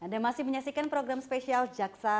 anda masih menyaksikan program spesial jaksa